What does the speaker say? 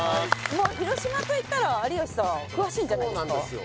もう広島といったら有吉さん詳しいんじゃないですかそうなんですよ